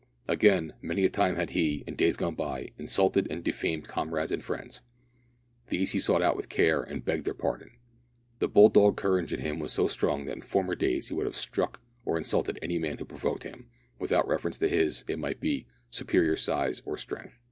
Again, many a time had he, in days gone by, insulted and defamed comrades and friends. These he sought out with care and begged their pardon. The bulldog courage in him was so strong that in former days he would have struck or insulted any man who provoked him, without reference to his, it might be, superior size or strength.